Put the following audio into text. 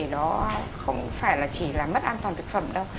nó không phải là chỉ là mất an toàn thực phẩm đâu